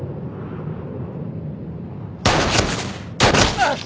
あっ。